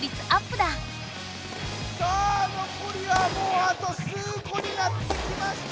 さあのこりはもうあと数個になってきました！